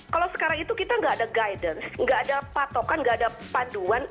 kalau sekarang itu kita nggak ada guidance nggak ada patokan nggak ada paduan